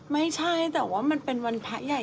ไม่ใช่แต่ว่ามันเป็นวันพระใหญ่